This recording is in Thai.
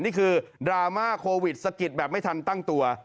นี่คือดราม่าโควิดสกิตแบบไม่ทันตั้งตัว